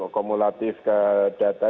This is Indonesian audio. kumulatif ke data